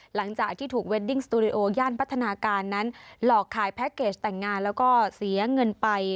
หลังจากที่ถูกเวดดิ้งสตูดิโอย่านพัฒนาการนั้นหลอกขายแพ็คเกจแต่งงานแล้วก็เสียเงินไป